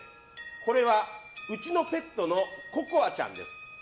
これは、うちのペットのココアちゃんです。